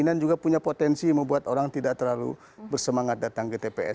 dan juga punya potensi membuat orang tidak terlalu bersemangat datang ke tps